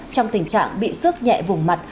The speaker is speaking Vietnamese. trong tình trạng bị sức nhẹ vùng mặt